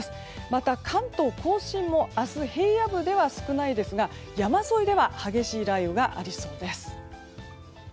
また関東・甲信も明日平野部では少ないですが山沿いでは激しい雷雨がありそうです。